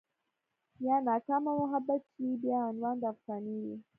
يا ناکامه محبت شي بيا عنوان د افسانې وي